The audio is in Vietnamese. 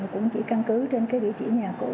cũng chỉ căn cứ trên cái địa chỉ nhà cũ